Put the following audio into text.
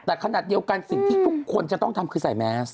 แต่ขนาดเดียวกันสิ่งที่ทุกคนจะต้องทำคือใส่แมส